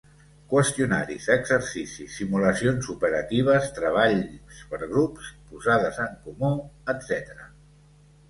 Qüestionaris, exercicis, simulacions operatives, treballs per grups, posades en comú, etcètera.